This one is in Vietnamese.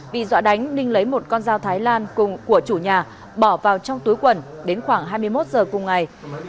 vì dọa đánh ninh lấy một con dao thái lan của chủ nhà bỏ vào trong túi quẩn đến khoảng hai mươi một giờ cùng ngày